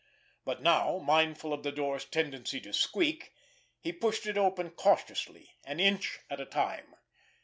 But now, mindful of the door's tendency to squeak, he pushed it open cautiously an inch at a time.